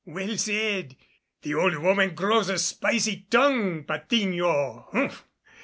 "Well said! The old woman grows a spicy tongue, Patiño. Humph!